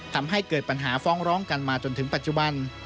ทำให้เกิดปัญหาฟ้องร้องกันมาจนถึงปัจจุบัน